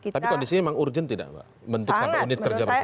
tapi kondisinya memang urgent tidak mbak